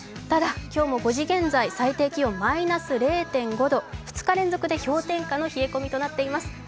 ただ今日も５時現在、最低気温マイナス０．５度、２日連続で氷点下の冷え込みとなっています。